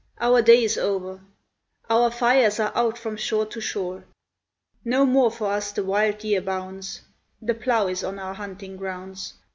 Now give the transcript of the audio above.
Our day is o'er, Our fires are out from shore to shore; No more for us the wild deer bounds The plow is on our hunting grounds.